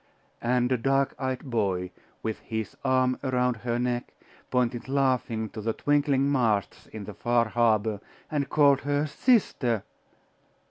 And a dark eyed boy, with his arm around her neck, pointed laughing to the twinkling masts in the far harbour, and called her sister....